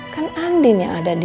kan andin yang ada di